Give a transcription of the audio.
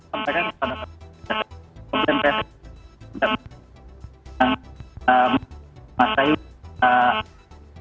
sampai kan pada tahun ini